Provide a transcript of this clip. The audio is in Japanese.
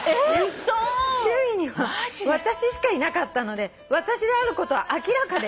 「周囲には私しかいなかったので私であることは明らかです」